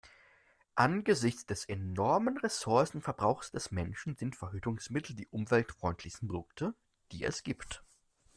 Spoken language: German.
Angesichts des enormen Ressourcenverbrauchs des Menschen sind Verhütungsmittel die umweltfreundlichsten Produkte, die es gibt.